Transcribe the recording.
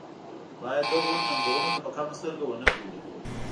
باید دغو ننګونو ته په کمه سترګه ونه ګوري.